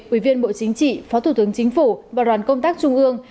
ủy viên bộ chính trị phó thủ tướng chính phủ và đoàn công tác trung ương